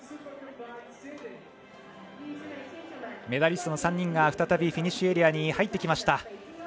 メダリストの３人が再びフィニッシュエリアに入ってきました。